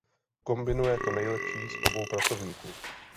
Kombinuje to nejlepší z obou pracovníků.